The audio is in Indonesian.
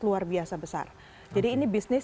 luar biasa besar jadi ini bisnis